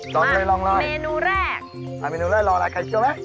สองเลยลองหน่อยมาเมนูแรกอ่ะเมนูแรกรอหลายไข่เจียวไหม